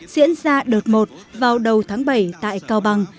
diễn ra đợt một vào đầu tháng bảy tại cao bằng